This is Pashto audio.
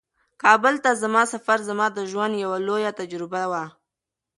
کابل ته زما سفر زما د ژوند یوه لویه تجربه وه.